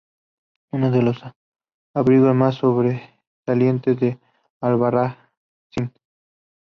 Es uno de los abrigos más sobresalientes de Albarracín.